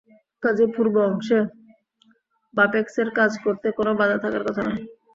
কাজেই পূর্ব অংশে বাপেক্সের কাজ করতে কোনো বাধা থাকার কথা নয়।